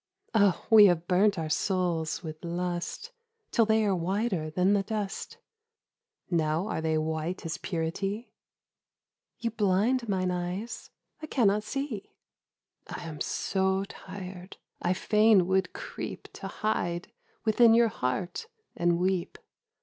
' Oh we have burnt our souls with lust Till they are whiter than the dust ... Now are they white as purity ?'' You blind mine eyes ... I cannot see.' ' I am so tired — I fain would creep To hide within your heart and weep.'